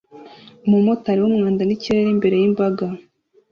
Umumotari wumwanda ni ikirere imbere yimbaga